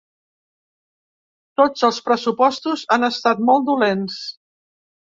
Tots els pressupostos han estat molt dolents.